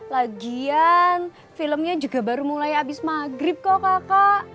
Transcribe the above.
lagian filmnya juga baru mulai habis maghrib kok kakak